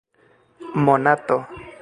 monato